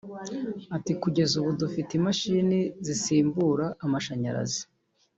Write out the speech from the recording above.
Ati “Kugeza ubu dufite imashini zisimbura amashanyarazi